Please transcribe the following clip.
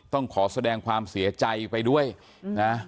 ต้องขอแสดงความเสียใจไปด้วยนะ